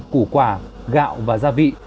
củ quả gạo và gia vị